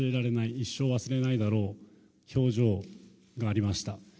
一生忘れないであろう表情がありました。